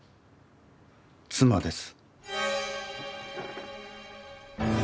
妻です。